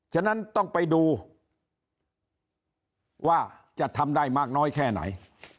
ฉะนั้นต้องไปดูว่าจะทำได้มากน้อยแค่ไหน